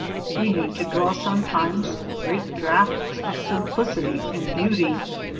We need to draw sometimes great drafts of simplicity and beauty.